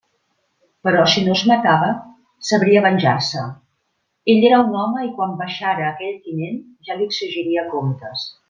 Però si no es matava, sabria venjar-se; ell era un home i quan baixara aquell tinent, ja li exigiria comptes.